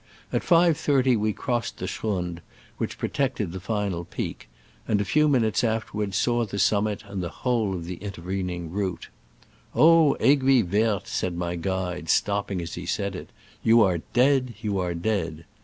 At 5.30 we crossed the schrund which pro tected the final peak, and a few minutes afterward saw the summit and the whole of the intervening route. Oh, Aiguille Verte !" said my guide, stopping as he said it, "you are dead, you are dead!"